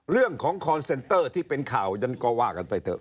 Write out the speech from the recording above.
เรื่องของคอนเซนเตอร์ที่เป็นข่าวนั้นก็ว่ากันไปเถอะ